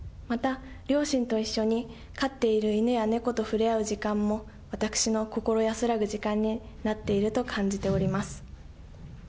また両親と一緒に飼っている犬や猫と触れ合う時間も、私の心安らぐ時間になっていると感じております。